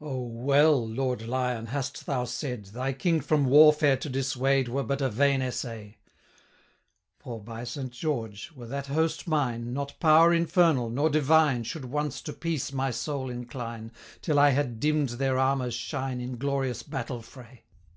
585 'Oh! well, Lord Lion, hast thou said, Thy King from warfare to dissuade Were but a vain essay: For, by St. George, were that host mine, Not power infernal, nor divine, 590 Should once to peace my soul incline, Till I had dimm'd their armour's shine In glorious battle fray!'